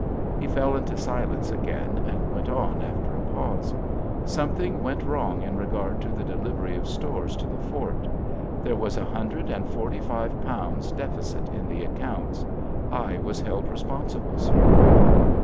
He fell into silence again, and went on after a pause. "Something went wrong in regard to the delivery of stores to the fort. There was a hundred and forty five pounds deficit in the accounts. I was held responsible, sir."